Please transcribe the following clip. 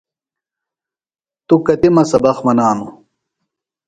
توۡ کتِمہ سبق منانوۡ؟